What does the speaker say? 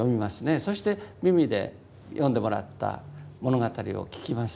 そして耳で読んでもらった物語を聞きます。